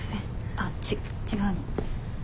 あっち違うの。